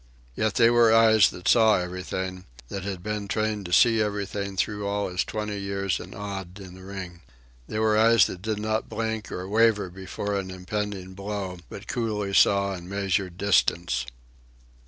Yet they were eyes that saw everything, that had been trained to see everything through all his twenty years and odd in the ring. They were eyes that did not blink or waver before an impending blow, but that coolly saw and measured distance.